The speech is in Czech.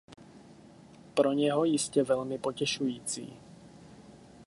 Pro něho jistě velmi potěšující.